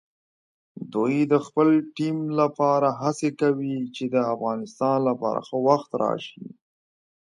دوی د خپل ټیم لپاره هڅې کوي چې د افغانستان لپاره ښه وخت راشي.